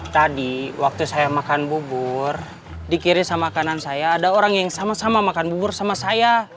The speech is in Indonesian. tadi waktu saya makan bubur dikirim sama kanan saya ada orang yang sama sama makan bubur sama saya